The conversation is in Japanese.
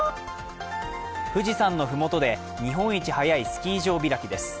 富士山のふもとで日本一早いスキー場開きです。